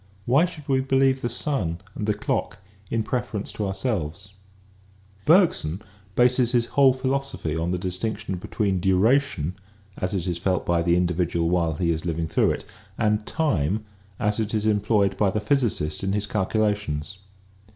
Why should we believe the sun and the clock in preference to ourselves ? Bergson bases his whole philosophy upon the dis tinction between duration as it is felt by the individual while he is living through it and time as it is employed by the physicist in his calculations.